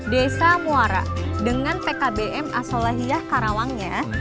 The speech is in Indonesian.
desa muara dengan pkbm asolahiyah karawangnya